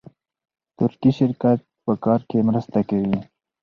ترکي شرکت په کار کې مرسته کوي.